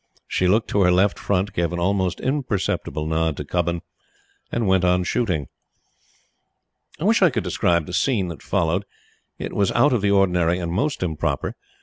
She looked to her left front, gave an almost imperceptible nod to Cubbon, and went on shooting. I wish I could describe the scene that followed. It was out of the ordinary and most improper.